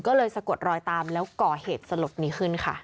ก็เลยสะกดรอยตามแล้วก่อเหตุสลดนี้ขึ้นค่ะ